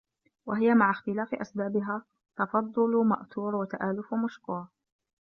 وَهِيَ مَعَ اخْتِلَافِ أَسْبَابِهَا تَفَضُّلٌ مَأْثُورٌ وَتَآلُفٌ مَشْكُورٌ